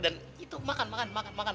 dan itu makan makan makan makan